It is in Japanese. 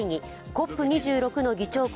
ＣＯＰ２６の議長国